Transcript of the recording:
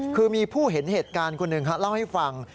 คือมีผู้เห็นเหตุการณ์คนหนึ่งเล่าให้ฟัง